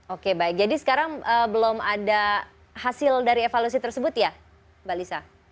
oke baik jadi sekarang belum ada hasil dari evaluasi tersebut ya mbak lisa